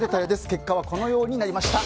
結果はこのようになりました。